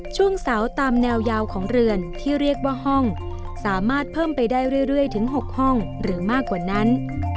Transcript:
ช่วงเสาตามแนวยาวของเรือนที่เรียกว่าห้องสามารถเพิ่มไปได้เรื่อยถึง๖ห้องหรือมากกว่านั้น